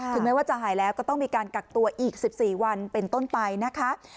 แม้ว่าจะหายแล้วก็ต้องมีการกักตัวอีก๑๔วันเป็นต้นไปนะคะ